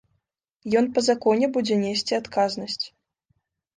Ён па законе будзе несці адказнасць.